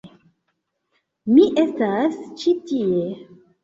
Mi estas ĉi tie.